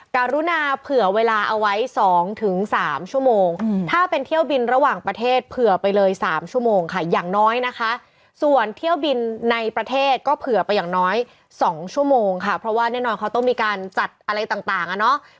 การุณาเผื่อเวลาเอาไว้๒๓ชั่วโมงถ้าเป็นเที่ยวบินระหว่างประเทศเผื่อไปเลย๓ชั่วโมงค่ะอย่างน้อยนะคะส่วนเที่ยวบินในประเทศก็เผื่อไปอย่างน้อย๒ชั่วโมงค่ะเพราะว่าแน่นอนเขาต้องมีการจัดอะไรต่างอ่ะเนาะ